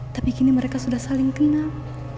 tapi kini mereka sudah saling kenal